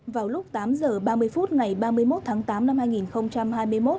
vào lúc tám h ba mươi phút ngày ba mươi một tháng tám năm hai nghìn hai mươi một